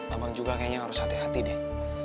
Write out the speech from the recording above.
abang juga kayaknya harus hati hati deh